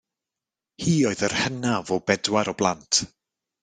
Hi oedd yr hynaf o bedwar o blant.